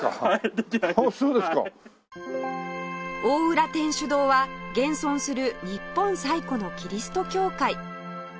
大浦天主堂は現存する日本最古のキリスト教会